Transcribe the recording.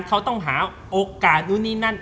เขาต้องหาโอกาสนู่นนี่นั่น